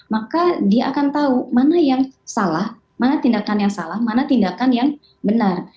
maka dia akan tahu mana yang salah mana tindakan yang salah mana tindakan yang benar